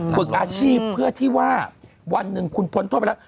ฝึกอาชีพเพื่อที่ว่าวันหนึ่งคุณพ้นโทษไปแล้ว